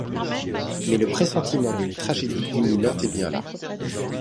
Mais le pressentiment d'une tragédie imminente est bien là.